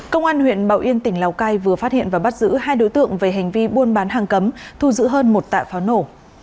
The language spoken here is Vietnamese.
công an huyện bảo yên tỉnh lào cai vừa phát hiện và bắt giữ hai đối tượng về hành vi buôn bán hàng cấm thu giữ hơn một tạ pháo nổ